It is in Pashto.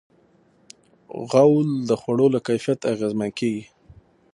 غول د خوړو له کیفیت اغېزمن کېږي.